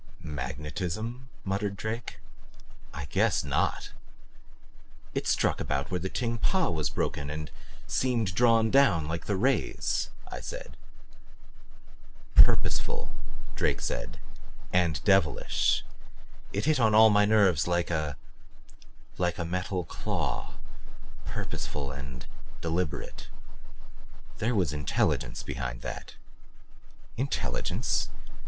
"Magnetism?" muttered Drake. "I guess NOT!" "It struck about where the Ting Pa was broken and seemed drawn down like the rays," I said. "Purposeful," Drake said. "And devilish. It hit on all my nerves like a like a metal claw. Purposeful and deliberate. There was intelligence behind that." "Intelligence?